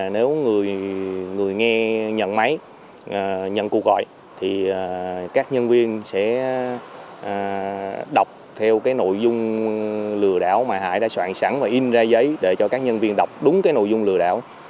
nếu người nghe nhận máy nhận cuộc gọi thì các nhân viên sẽ đọc theo cái nội dung lừa đảo mà hải đã soạn sẵn và in ra giấy để cho các nhân viên đọc đúng cái nội dung lừa đảo